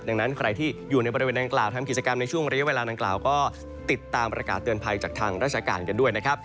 ดังนั้นใครที่อยู่ในบริเวณดังกล่าวทำกิจกรรมในช่วงระยะเวลาดังกล่าวก็ติดตามประกาศเตือนภัยจากทางราชการกันด้วยนะครับ